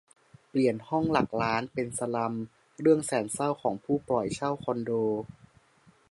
เปลี่ยน 'ห้องหลักล้าน' เป็น 'สลัม' เรื่องแสนเศร้าของผู้ปล่อยเช่าคอนโด